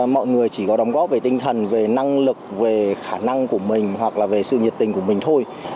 mọi người chỉ có đóng góp về tinh thần về năng lực về khả năng của mình hoặc là về sự nhiệt tình của mình thôi